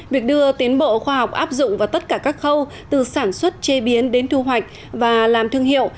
việc đưa tiến bộ khoa học áp dụng vào tất cả các khâu từ sản xuất chế biến đến thu hoạch và làm thương hiệu